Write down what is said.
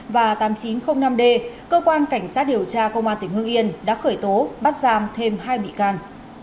và tám nghìn chín trăm linh năm d cơ quan cảnh sát điều tra công an tỉnh hương yên đã khởi tố bắt giam thêm hai bị can